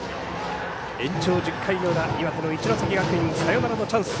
延長１０回の裏、岩手の一関学院サヨナラのチャンス。